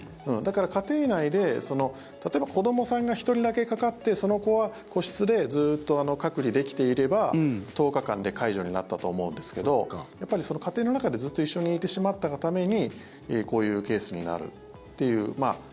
だから、家庭内で例えば子どもさんが１人だけかかってその子は個室でずっと隔離できていれば１０日間で解除になったと思うんですけどやっぱり、その家庭の中でずっと一緒にいてしまったがためにこういうケースになるという。